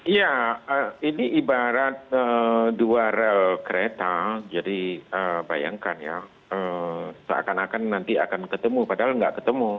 ya ini ibarat dua rel kereta jadi bayangkan ya seakan akan nanti akan ketemu padahal nggak ketemu